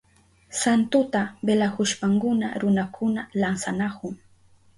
Santuta velahushpankuna runakuna lansanahun.